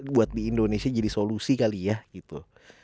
buat di indonesia jadi solusi kali ya gitu